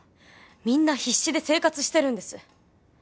みんな必死で生活してるんです